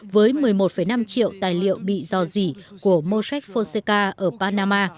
với một mươi một năm triệu tài liệu bị dò dị của moshe fonseca ở panama